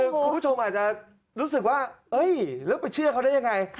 คุณผู้ชมอาจจะรู้สึกว่าแล้วไปเชื่อเขาได้ยังไง